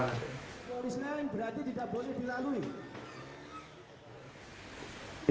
kalau israel berarti tidak boleh dilalui